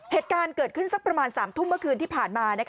เหตุการณ์เกิดขึ้นสักประมาณ๓ทุ่มเมื่อคืนที่ผ่านมา